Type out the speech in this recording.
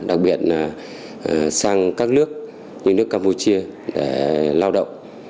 đặc biệt là sang các nước như nước campuchia lao động